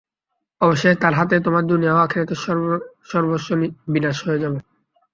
অবশেষে তার হাতেই তোমার দুনিয়া ও আখিরাত সর্বস্ব বিনাশ হয়ে যাবে।